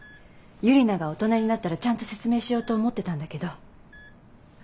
ユリナが大人になったらちゃんと説明しようと思ってたんだけど。